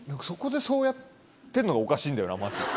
そこでそうやってるのがおかしいんだよなまず。